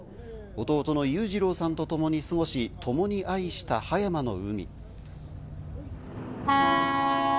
弟の裕次郎さんと共に過ごし、ともに愛した葉山の海。